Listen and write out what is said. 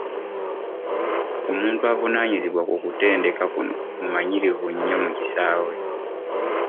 Omuntu avunaanyizibwa ku kutendeka kuno mumanyirivu nnyo mu kisaawe .